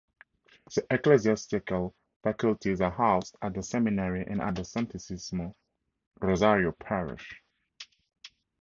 The Eccesiastical Faculties are housed at the Seminary and at the Santisimo Rosario Parish.